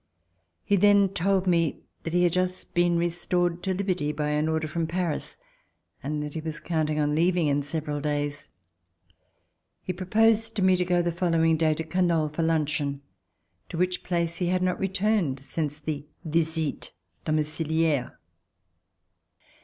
He then told me that he had just been restored to liberty by an order from Paris and that he was counting on leaving in several days. He proposed to me to go the following day to Canoles for luncheon, to which place he had not re turned since the visite doviiciliaire.